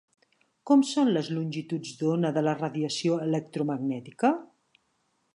Com són les longituds d'ona de la radiació electromagnètica?